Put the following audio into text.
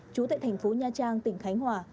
chú tại thành phố nha trang tỉnh khánh hòa